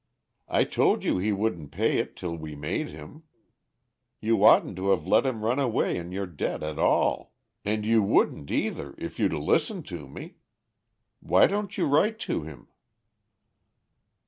I told you he wouldn't pay it till we made him. You oughtn't to've let him run away in your debt at all, and you wouldn't either, if you'd a'listened to me. Why don't you write to him?"